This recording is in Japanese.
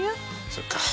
そっか。